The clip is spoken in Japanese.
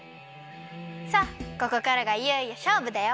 さあここからがいよいよしょうぶだよ。